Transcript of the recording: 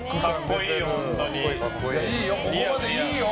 ここまでいいよ！